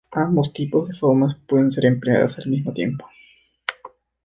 Ambos tipos de formas pueden ser empleadas al mismo tiempo.